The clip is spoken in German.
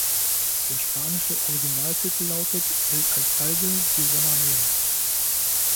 Der spanische Originaltitel lautet El alcalde de Zalamea.